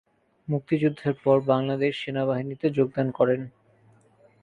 মুক্তিযুদ্ধের পর বাংলাদেশ সেনাবাহিনীতে যোগদান করেন।